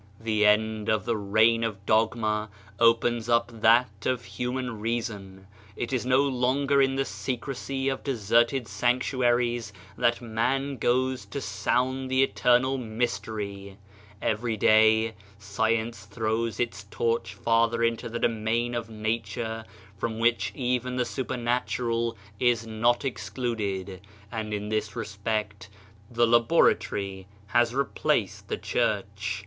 The end of the reign of dogma opens up that of human reason. It is no longer in the secrecy of deserted sanctuaries that man goes to sound the Eternal Mystery : every day science throws its torch farther into the domain of nature, from which even the supernatural is not excluded, and in this respect the laboratory has replaced the Church.